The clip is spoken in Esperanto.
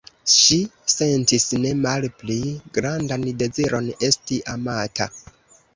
Ŝi sentis ne malpli grandan deziron esti amata.